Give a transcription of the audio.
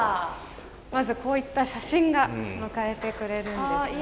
まずこういった写真が迎えてくれるんですね。